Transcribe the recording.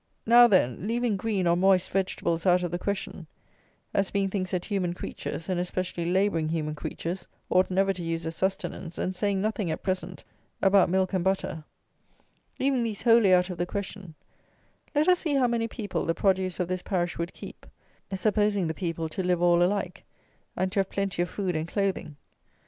Now, then, leaving green, or moist, vegetables out of the question, as being things that human creatures, and especially labouring human creatures, ought never to use as sustenance, and saying nothing, at present, about milk and butter; leaving these wholly out of the question, let us see how many people the produce of this parish would keep, supposing the people to live all alike, and to have plenty of food and clothing.